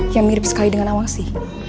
yang mirip sekali dengan awasi